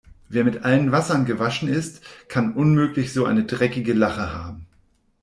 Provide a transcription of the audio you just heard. Wer mit allen Wassern gewaschen ist, kann unmöglich so eine dreckige Lache haben.